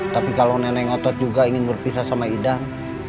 tapi kalau neneng otot juga ingin berpisah sama idan